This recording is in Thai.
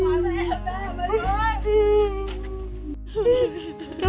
วันที่สุดท้ายเกิดขึ้นเกิดขึ้น